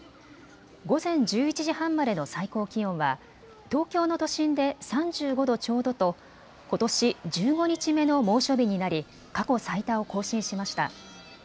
午前１１時半までの最高気温は東京の都心で３５度ちょうどとことし１５日目の猛暑日になり過去最多を更新しました。